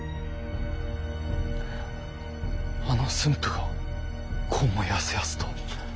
あの駿府がこうもやすやすと。